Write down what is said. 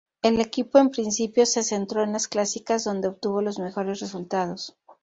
El equipo en principio se centró en las clásicas donde obtuvo los mejores resultados.